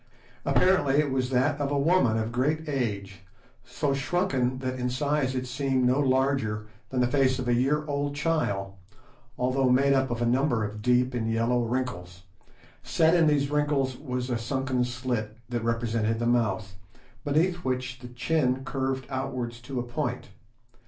Apparently it was that of a woman of great age so shrunken that in size it seemed no larger than the face of a year old child, although made up of a number of deep and yellow wrinkles. Set in these wrinkles was a sunken slit, that represented the mouth, beneath which the chin curved outwards to a point.